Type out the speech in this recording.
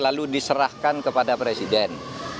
lalu diserahkan kepada presiden